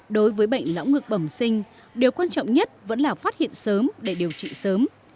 đối với bệnh lão ngực bẩm sinh điều quan trọng nhất vẫn là phát hiện sớm để điều trị sớm